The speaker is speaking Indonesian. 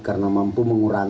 karena mampu menguatkan